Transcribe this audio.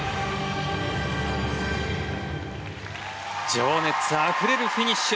情熱あふれるフィニッシュ。